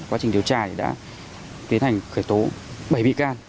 quá trình điều tra đã tiến hành khởi tố bảy bị can